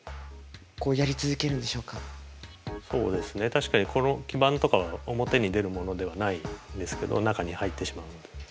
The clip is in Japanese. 確かにこの基板とかは表に出るものではないですけど中に入ってしまうので。